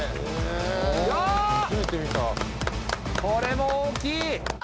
これも大きい！